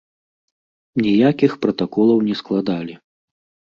Ніякіх пратаколаў не складалі.